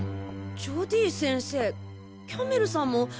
ジョディ先生キャメルさんも。